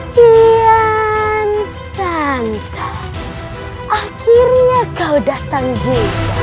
kian santang akhirnya kau datang juga